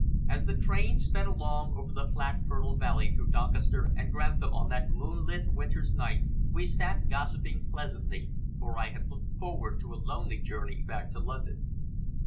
As the train sped along over the flat fertile country through Doncaster and Grantham on that moonlit winter's night we sat gossiping pleasantly, for I had looked forward to a lonely journey back to London.